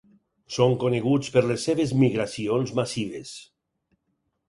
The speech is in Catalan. Són coneguts per les seves migracions massives.